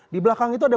di belakang itu ada